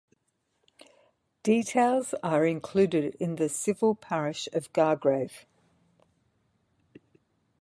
Details are included in the civil parish of Gargrave.